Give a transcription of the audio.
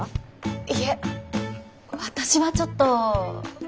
いえ私はちょっと。